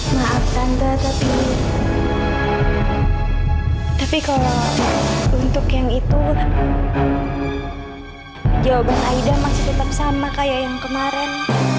maafkan tapi kalau untuk yang itu jawaban aida masih tetap sama kayak yang kemarin